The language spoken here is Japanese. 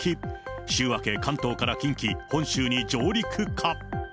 週明け、関東から近畿、本州に上陸か。